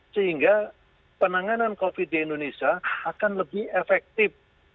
sehingga penanganan covid di indonesia akan lebih efektif